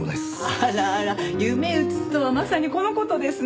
あらあら夢うつつとはまさにこの事ですね。